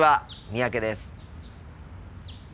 三宅です。